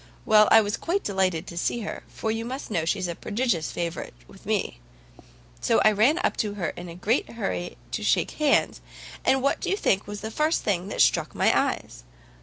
Well, I was quite delighted to see her, for you must know she's a prodigious favourite with me, so I ran up to her in a great hurry to shake hands, and what do you think was the first thing that struck my eyes?